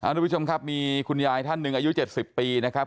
ทุกผู้ชมครับมีคุณยายท่านหนึ่งอายุ๗๐ปีนะครับ